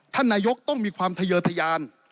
ท่านนายกต้องมีความทะเยอร์ทะยาน